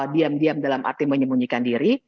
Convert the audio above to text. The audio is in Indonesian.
diam diam dalam arti menyembunyikan diri